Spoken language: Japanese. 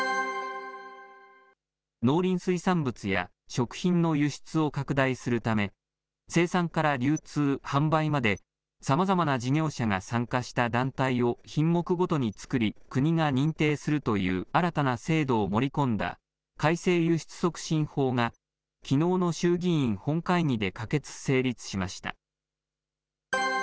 農林水産物や食品の輸出を拡大するため、生産から流通、販売まで、さまざまな事業者が参加した団体を品目ごとに作り、国が認定するという新たな制度を盛り込んだ、改正輸出促進法が、きのうの衆議院本会議で可決・成立しました。